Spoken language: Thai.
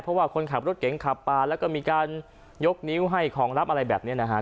เพราะว่าคนขับรถเก๋งขับปาแล้วก็มีการยกนิ้วให้ของลับอะไรแบบนี้นะฮะ